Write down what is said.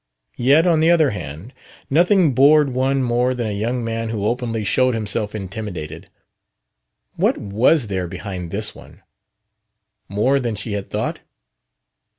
Yet, on the other hand, nothing bored one more than a young man who openly showed himself intimidated. What was there behind this one? More than she had thought?